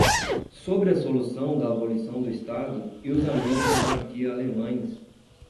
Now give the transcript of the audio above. Sobre a solução da abolição do Estado e os “amigos da anarquia” alemães